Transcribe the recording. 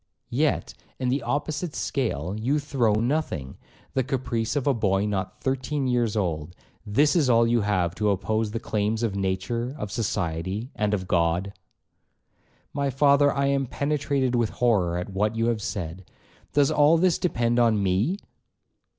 'Yet, in the opposite scale you throw nothing,—the caprice of a boy not thirteen years old;—this is all you have to oppose to the claims of nature, of society, and of God.' 'My father, I am penetrated with horror at what you have said,—does all this depend on me?'